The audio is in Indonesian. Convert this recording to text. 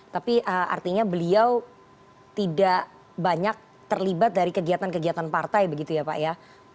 tapi artinya beliau tidak banyak terlibat dari kegiatan kegiatan partai begitu ya pak ya